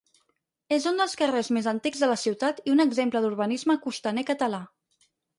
És un dels carrers més antics de la ciutat i un exemple d'urbanisme costaner català.